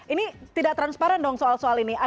ini tidak transparan dong soal soal ini